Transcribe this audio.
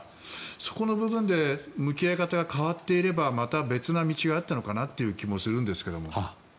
そこの部分で向き合い方が変わっていればまた別の道があったのかなという気もするんですが。